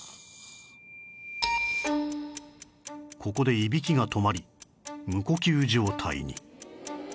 ここでいびきが止まり無呼吸状態に